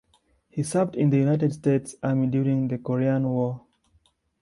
He served in the United States Army during the Korean War.